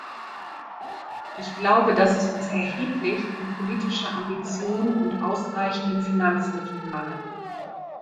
Ich glaube, dass es uns erheblich an politischer Ambition und ausreichenden Finanzmitteln mangelt.